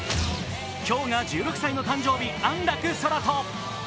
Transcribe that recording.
今日が１６歳の誕生日安楽宙斗。